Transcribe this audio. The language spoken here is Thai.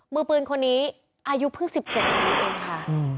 มือปืนคนนี้อายุเพิ่ง๑๗ปีเองค่ะ